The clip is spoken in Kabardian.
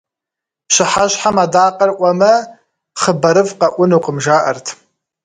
Пщыхьэщхьэм адакъэр Ӏуэмэ, хъыбарыфӀ къэӀунукъым жаӀэрт.